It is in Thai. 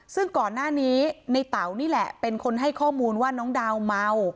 ซึ่งก่อนหน้านี้ในเต๋านี่แหละเป็นคนให้ข้อมูลว่าน้องดาวเมา